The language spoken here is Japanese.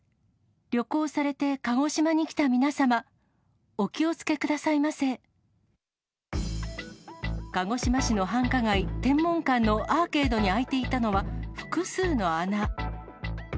旅行されて鹿児島に来た皆様、鹿児島市の繁華街、天文館のアーケードに開いていたのは、複数の穴。